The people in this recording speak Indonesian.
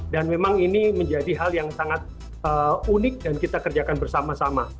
memang ini menjadi hal yang sangat unik dan kita kerjakan bersama sama